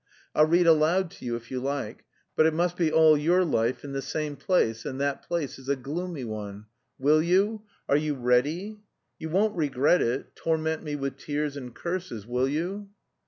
I'll read aloud to you if you like. But it must be all your life in the same place, and that place is a gloomy one. Will you? Are you ready? You won't regret it, torment me with tears and curses, will you?"